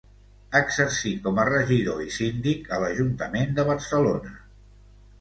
Exercí com a regidor i síndic a l'ajuntament de Barcelona.